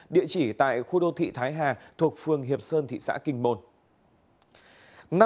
địa chỉ tại khu đô thị thái hà thuộc phường hiệp sơn thị xã kinh môn